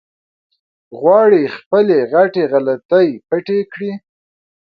غواړي خپلې غټې غلطۍ پټې کړي.